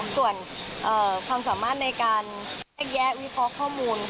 ส่วนความสามารถในการแยกแยะวิเคราะห์ข้อมูล